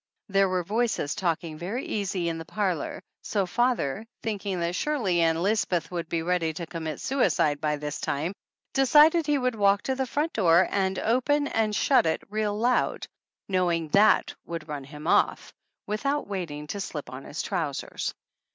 There were voices talking very easy in the parlor, so father, thinking that surely Ann Lisbeth would be ready to commit suicide by this time, decided he would walk to the front door and open and shut it real loud, knowing that would run him off, without waiting to slip on his trousers.